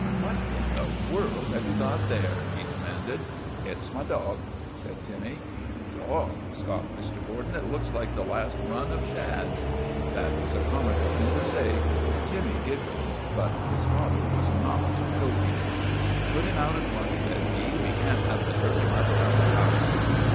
" What in the world have you got there ?" he de manded. ' It 's my dog," said Timmy. " Dog! " scoffed Mr. Borden. " It looks like the last run of shad." That was a comical thing to say and Timmy gig gled, but his father was not joking. THE REGENERATION OF TIMMY 199 * Put him out at once," said he. We can't have the dirty mutt around the house."